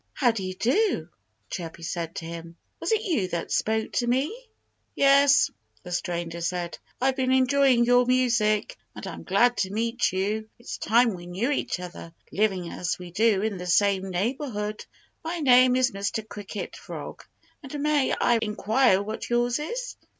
"How do you do!" Chirpy said to him. "Was it you that spoke to me?" "Yes!" the stranger said. "I've been enjoying your music. And I'm glad to meet you. It's time we knew each other, living as we do in the same neighborhood. My name is Mr. Cricket Frog. And may I inquire what yours is?"